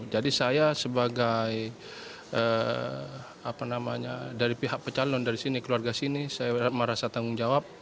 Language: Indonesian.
jadi saya sebagai apa namanya dari pihak pecalon dari sini keluarga sini saya merasa tanggung jawab